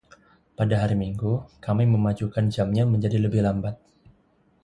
Pada hari Minggu, kami memajukan jamnya menjadi lebih lambat.